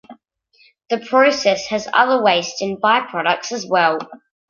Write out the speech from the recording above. The process has other waste and byproducts as well.